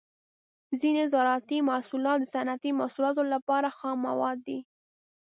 ځینې زراعتي محصولات د صنعتي محصولاتو لپاره خام مواد دي.